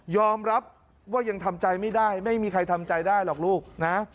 รับว่ายังทำใจไม่ได้ไม่มีใครทำใจได้หรอกลูกนะ